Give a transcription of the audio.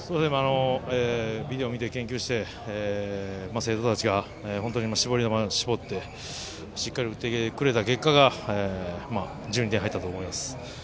ビデオ見て研究して生徒たちが本当に絞り球を絞ってしっかり振ってくれた結果が１２点、入ったと思います。